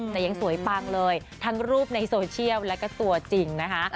แต่ยังสวยปังเลยทั้งรูปในโซเชียลแล้วก็ตัวจริงนะคะ